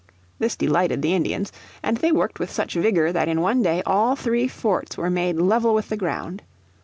This delighted the Indians, and they worked with such vigour that in one day all three forts were made level with the ground.